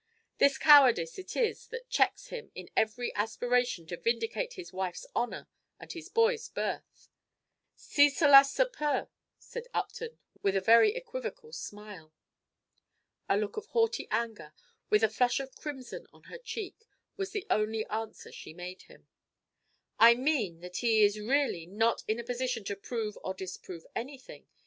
This cowardice it is that checks him in every aspiration to vindicate his wife's honor and his boy's birth." "Si cela se peut," said Upton, with a very equivocal smile. A look of haughty anger, with a flush of crimson on her cheek, was the only answer she made him. "I mean that he is really not in a position to prove or disprove anything.